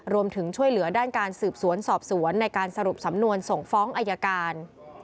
รวมถึงช่วยเหลือด้านการสืบสวนสอบสวนในการสรุปสำนวนส่งฟ้องอายการ